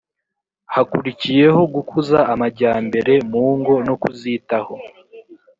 hakurikiyeho gukuza amajyambere mu ngo no kuzitaho